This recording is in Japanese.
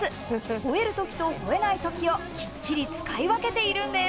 吠える時と吠えない時をきっちり使い分けているんです。